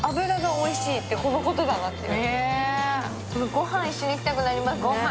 ご飯一緒にいきたくなりますね。